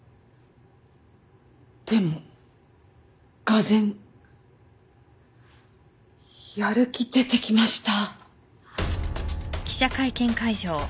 でもがぜんやる気出てきました。